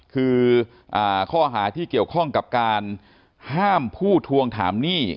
คือข้อหาที่เกี่ยวข้องกับการห้ามผู้ทวงถามหนี้